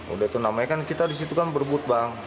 udah itu namanya kan kita disitu kan berbut bang